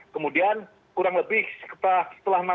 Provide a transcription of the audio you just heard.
kemudian kurang lebih setelah